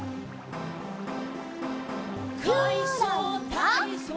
「かいそうたいそう」